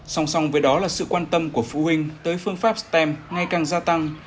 song song với đó là sự quan tâm của phụ huynh tới phương pháp stem ngay càng gia tăng